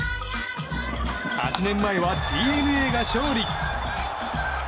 ８年前はＤｅＮＡが勝利。